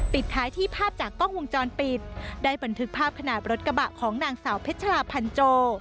ปิดท้ายที่ภาพจากกล้องวงจรปิดได้บันทึกภาพขณะรถกระบะของนางสาวเพชราพันโจ